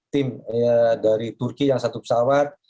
tim dari turki yang satu pesawat